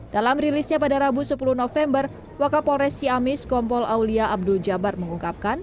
dalam rilisnya pada rabu sepuluh november wakapolres ciamis kompol aulia abdul jabar mengungkapkan